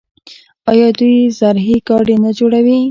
آیا دوی زرهي ګاډي نه جوړوي؟